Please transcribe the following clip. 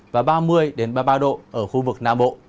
và ba mươi ba mươi ba độ ở khu vực nam bộ